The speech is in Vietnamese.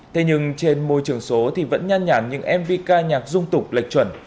thế nhưng trên môi trường số thì vẫn nhan nhản những mv ca nhạc dung tục lệch chuẩn